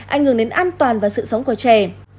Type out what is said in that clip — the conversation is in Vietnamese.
ảnh hưởng đến an toàn và sự sống của trẻ